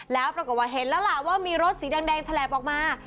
แล้วปรากฏว่าเห็นแล้วล่ะว่ามีรถสีแดงฉลบออกมา